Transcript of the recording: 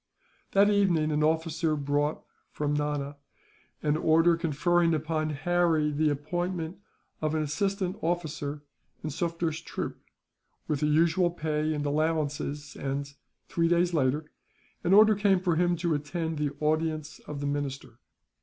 That evening an officer brought, from Nana, an order conferring upon Harry the appointment of an assistant officer in Sufder's troop, with the usual pay and allowances and, three days later, an order came for him to attend the audience of the minister.